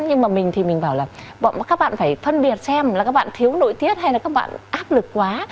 nhưng mà mình thì mình bảo là các bạn phải phân biệt xem là các bạn thiếu nổi tiếng hay là các bạn áp lực quá